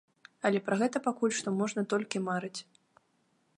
Але пра гэта пакуль што можна толькі марыць.